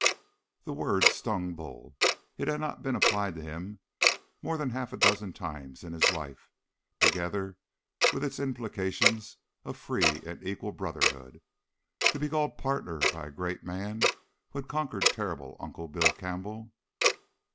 That word stung Bull. It had not been applied to him more than a half a dozen times in his life, together with its implications of free and equal brotherhood. To be called partner by the great man who had conquered terrible Uncle Bill Campbell!